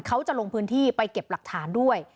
เขาจะลงพื้นที่ไปเก็บหลักฐานด้วย